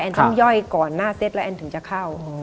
ต้องย่อยก่อนหน้าเซตแล้วแอนถึงจะเข้า